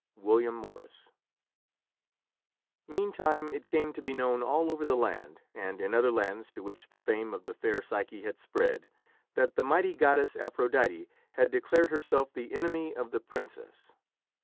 William Morris. Meantime it came to be known all over that land, and in other lands to which the fame of the fair Psyche had spread, that the mighty goddess Aphrodite had declared herself the enemy of the princess.